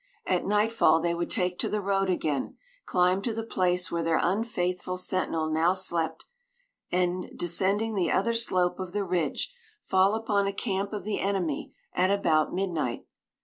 At nightfall they would take to the road again, climb to the place where their unfaithful sentinel now slept, and, descending the other slope of the ridge, fall upon a camp of the enemy at about midnight.